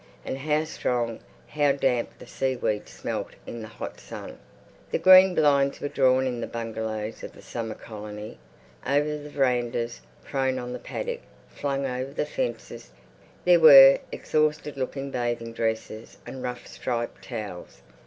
And how strong, how damp the seaweed smelt in the hot sun.... The green blinds were drawn in the bungalows of the summer colony. Over the verandas, prone on the paddock, flung over the fences, there were exhausted looking bathing dresses and rough striped towels.